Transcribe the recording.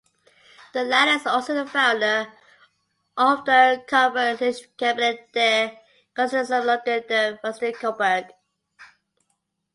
The latter is also the founder of the Kupferstichkabinett der Kunstsammlungen der Veste Coburg.